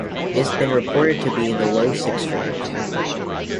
It has been reported to be in the low six figures.